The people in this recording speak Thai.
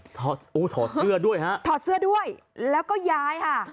อืมถอดโอ้ถอดเสื้อด้วยฮะถอดเสื้อด้วยแล้วก็ย้ายฮะ